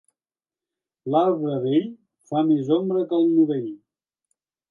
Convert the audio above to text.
L'arbre vell fa més ombra que el novell.